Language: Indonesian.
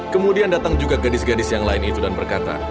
kemudian datang juga gadis gadis yang lain itu dan berkata